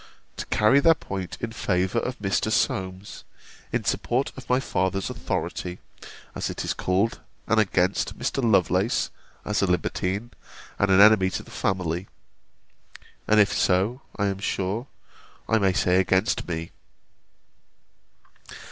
] to carry their point in favour of Mr. Solmes, in support of my father's authority, as it is called, and against Mr. Lovelace, as a libertine, and an enemy to the family: and if so, I am sure, I may say against me.